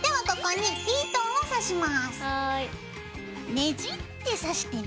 ねじってさしてね。